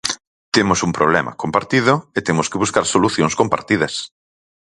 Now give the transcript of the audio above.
Temos un problema compartido e temos que buscar solucións compartidas.